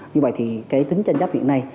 như vậy thì cái tính tranh chấp hiện nay